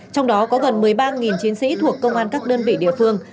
trong đó có gần một mươi ba chiến sĩ thuộc công an các đơn vị địa phương